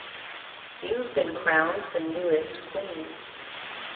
You've been crowned the newest queen.